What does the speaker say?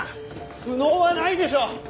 不能はないでしょう！